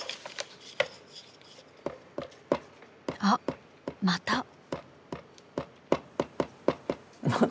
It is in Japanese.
あっまた。